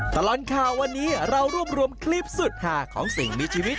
ตลอดข่าววันนี้เรารวบรวมคลิปสุดหาของสิ่งมีชีวิต